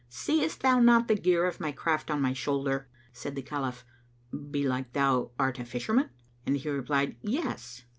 Seest thou not the gear of my craft on my shoulder?" Said the Caliph, "Belike thou art a fisherman?"; and he replied, "Yes."